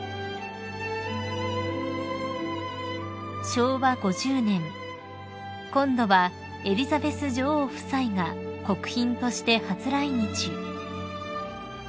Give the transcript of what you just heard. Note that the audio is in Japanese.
［昭和５０年今度はエリザベス女王夫妻が国賓として初来日］